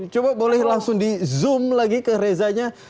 coba boleh langsung di zoom lagi ke rezanya